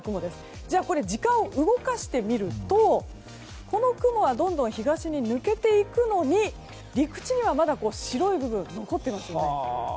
これ時間を動かしてみるとこの雲はどんどんと東に抜けていくのに陸地にはまだ白い部分が残っていますよね。